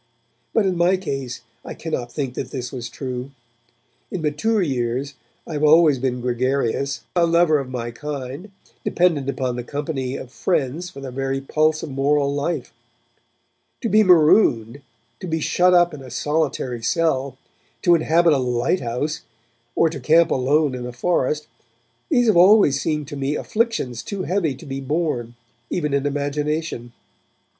But in my case I cannot think that this was true. In mature years I have always been gregarious, a lover of my kind, dependent upon the company of friends for the very pulse of moral life. To be marooned, to be shut up in a solitary cell, to inhabit a lighthouse, or to camp alone in a forest, these have always seemed to me afflictions too heavy to be borne, even in imagination.